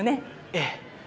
ええ。